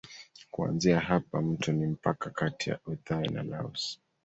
Kuanzia hapa mto ni mpaka kati ya Uthai na Laos.